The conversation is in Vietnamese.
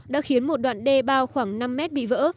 đã khiến một đoạn đê bao khoảng năm mét bị vỡ